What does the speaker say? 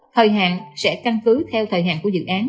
thời hạn sẽ căn cứ theo thời hạn của dự án